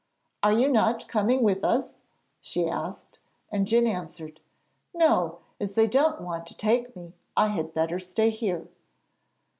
'Are you not coming with us?' she asked, and Djun answered: 'No; as they don't want to take me, I had better stay here.'